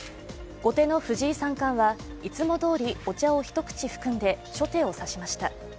後手の藤井三冠はいつもどおりお茶を一口含んで初手を指しました。